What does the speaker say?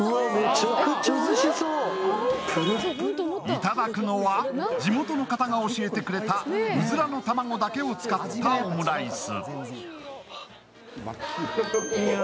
いただくのは、地元の方が教えてくれたうずらの卵だけを使ったオムライス。